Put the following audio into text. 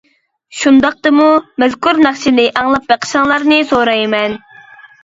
شۇنداقتىمۇ، مەزكۇر ناخشىنى ئاڭلاپ بېقىشىڭلارنى سورايمەن.